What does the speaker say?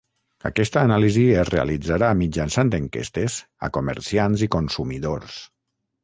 Aquesta anàlisi es realitzarà mitjançant enquestes a comerciants i consumidors.